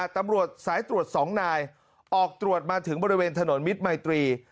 ตำรวจสายตรวจ๒นายออกตรวจมาถึงบริเวณถนนมิตรมัยตรี